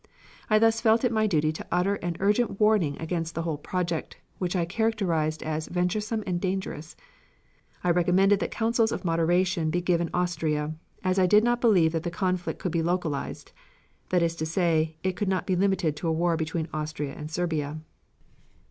I thus felt it my duty to enter an urgent warning against the whole project, which I characterized as venturesome and dangerous, I recommended that counsels of moderation he given Austria, as I did not believe that the conflict could be localized (that is to say, it could not be limited to a war between Austria and Serbia).